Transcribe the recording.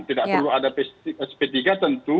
tidak perlu ada sp tiga tentu